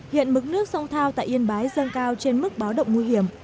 hiện mức nước sông thao tại yên bái răng cao trên mức báo động nguy hiểm